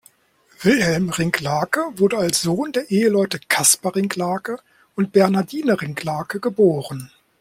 Wilhelm Rincklake wurde als Sohn der Eheleute Caspar Rincklake und Bernhardine Rincklake geb.